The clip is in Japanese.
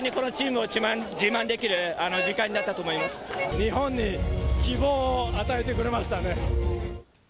日本に希望を与えてくれましたね。